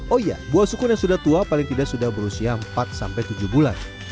oh iya buah sukun yang sudah tua paling tidak sudah berusia empat sampai tujuh bulan